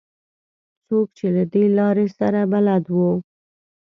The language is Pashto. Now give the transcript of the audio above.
څوک چې له دې لارې سره بلد وو.